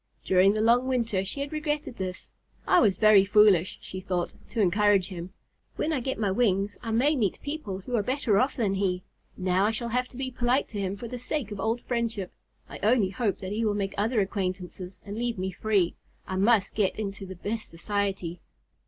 During the long winter she had regretted this. "I was very foolish," she thought, "to encourage him. When I get my wings I may meet people who are better off than he. Now I shall have to be polite to him for the sake of old friendship. I only hope that he will make other acquaintances and leave me free. I must get into the best society."